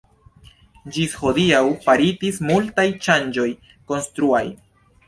Ĝis hodiaŭ faritis multaj ŝanĝoj konstruaj.